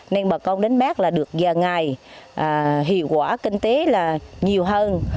nên bà công đến mát là được dài ngày hiệu quả kinh tế là nhiều hơn